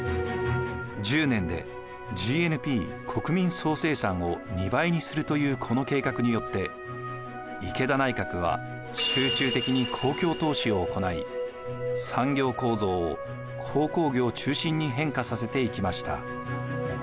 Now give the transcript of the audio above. １０年でＧＮＰを２倍にするというこの計画によって池田内閣は集中的に公共投資を行い産業構造を鉱工業中心に変化させていきました。